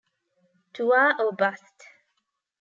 Tuva or Bust!